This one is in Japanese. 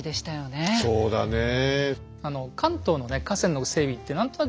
そうだねえ。